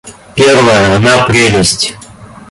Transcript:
Первое — она прелесть!